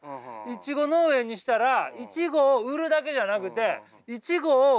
いちご農園にしたらいちごを売るだけじゃなくていちごを。